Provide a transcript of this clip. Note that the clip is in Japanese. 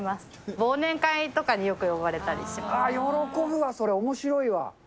忘年会と喜ぶわ、それ、おもしろいわ。